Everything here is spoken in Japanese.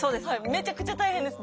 めちゃくちゃ大変です。